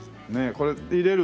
これ入れる？